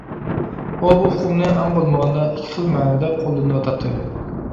ئۇ بۇ ئۇقۇمنى ئەڭ بولمىغاندا ئىككى خىل مەنىدە قوللىنىۋاتاتتى.